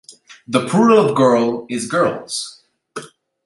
The plural of girl is girls.’